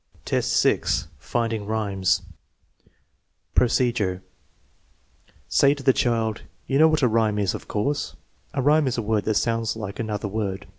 IX, 6. Finding rhymes Procedure. Say to the child: " You know what a rhyme is, of course. A rhyme is a word that sounds like another word.